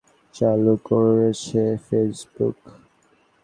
ভারতে পরীক্ষামূলকভাবে profile picture guard নামে নতুন ফিচার চালু করেছে ফেসবুক।